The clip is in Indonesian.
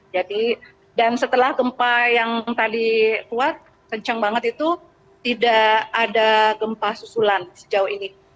jadi dan setelah gempa yang tadi kuat kencang banget itu tidak ada gempa susulan sejauh ini